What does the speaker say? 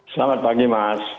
selamat pagi mas